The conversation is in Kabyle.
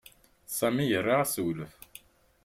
Sami ira assewlef.